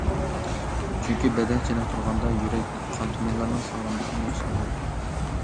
چۈنكى بەدەن چېنىقتۇرغاندا يۈرەك قان- تومۇرلارنىڭ ساغلاملىقىنى ياخشىلىغىلى بولىدۇ.